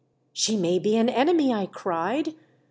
" She may be an enemy !" I cried.